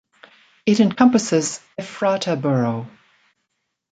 It encompasses Ephrata Borough.